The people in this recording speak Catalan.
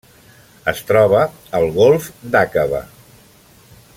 Es troba al Golf d'Aqaba.